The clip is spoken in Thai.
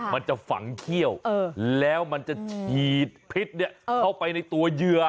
มันจะฝังเขี้ยวแล้วมันจะฉีดพิษเข้าไปในตัวเหยื่อ